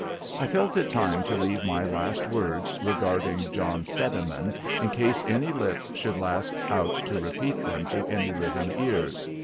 I felt it time to leave my last words regarding John Steadiman, in case any lips should last out to repeat them to any living ears.